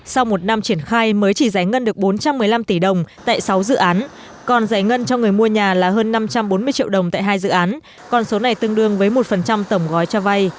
sau một năm triển khai mới chỉ giải ngân được bốn trăm một mươi năm tỷ đồng tại sáu dự án còn giải ngân cho người mua nhà là hơn năm trăm bốn mươi triệu đồng tại hai dự án còn số này tương đương với một tổng gói cho vay